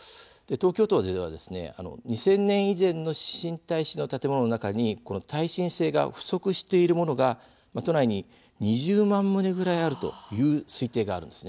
東京都では２０００年以前の新耐震の建物の中に耐震性が不足しているものが都内に２０万棟くらいあると推定されているんです。